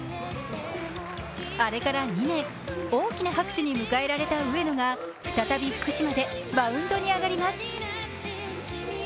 あれから２年、大きな拍手に迎えられた上野が再び福島でマウンドに上がります。